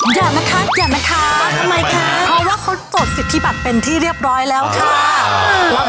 อย่านะคะอย่ามาทักทำไมคะเพราะว่าเขาจดสิทธิบัตรเป็นที่เรียบร้อยแล้วค่ะ